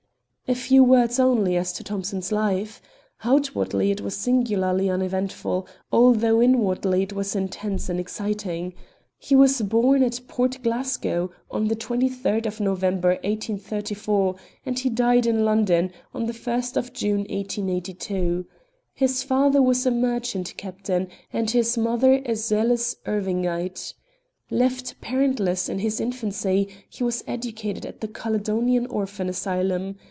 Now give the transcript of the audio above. A few words only as to Thomson's life. Outwardly it was singularly uneventful, although inwardly it was intense and exciting. He was bom at Port Glasgow, on the 23rd of November, 1834; and he died in London, on the 1st of June 1882. His father was a merchant captain, and his mother a zealous Irvingite. Left parentless in his infancy, he was educated at the Caledonian Orphan Asylum.